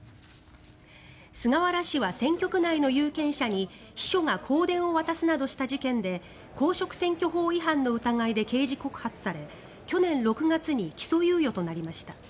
菅原氏は選挙区内の有権者に秘書が香典を渡すなどした事件で公職選挙法違反の疑いで刑事告発され去年６月に起訴猶予となりました。